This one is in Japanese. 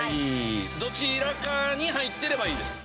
どちらかに入ってればいいです。